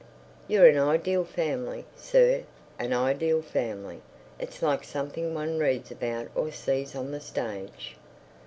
"You're an ideal family, sir, an ideal family. It's like something one reads about or sees on the stage."